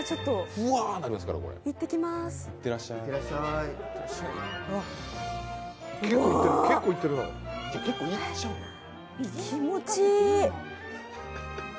うわ、気持ちいい。